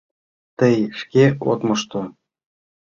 Тый шке от мошто!..